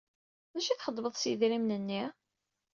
D acu i txedmeḍ s yidrimen-nni?